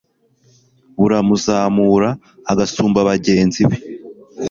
buramuzamura agasumba bagenzi be